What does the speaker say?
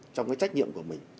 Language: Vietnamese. trong trách nhiệm của mình